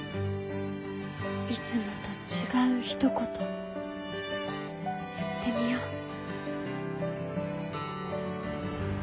いつもと違うひと言言ってみよう。